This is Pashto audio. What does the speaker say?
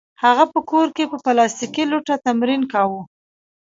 هغه په کور کې په پلاستیکي لوټه تمرین کاوه